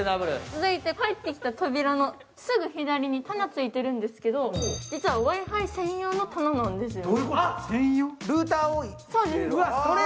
続いて、入ってきた扉のすぐ隣に棚がついているんですけど、実はＷｉ−Ｆｉ専用の棚なんですよ。